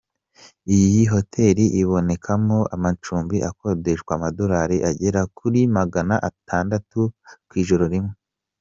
Iyi hoteli ibonekamo amacumbi akodeshwa amadolari agera kuri magana atandatu ku ijoro rimwe.